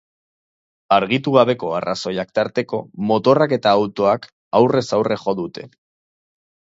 Argitu gabeko arrazoiak tarteko, motorrak eta autoak aurrez aurre jo dute.